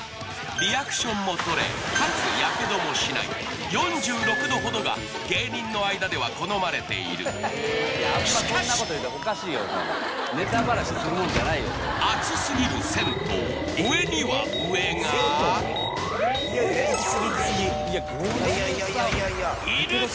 リアクションもとれかつヤケドもしない４６℃ほどが芸人の間では好まれている熱すぎる銭湯上には上がいる！